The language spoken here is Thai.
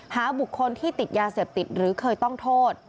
หาบุคคลที่ติดยาเสพติดหรือเคยต้องโทษ